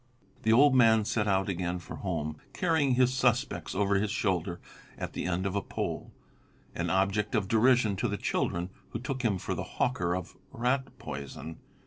The old man set out again for home, carrying his suspects over his shoulder at the end of a pole, an object of derision to the children, who took him for the hawker of rat poison.